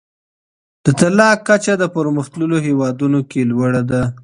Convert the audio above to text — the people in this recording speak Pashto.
د طلاق کچه د پرمختللو هیوادونو کي لوړه ده.